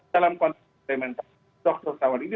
dalam konteks eksperimen dokter tawar ini